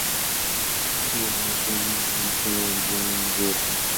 দলে তিনি মূলতঃ লেগ ব্রেক বোলিং করতেন।